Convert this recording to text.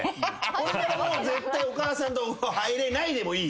これからもう絶対お母さんとお風呂入れないでもいい？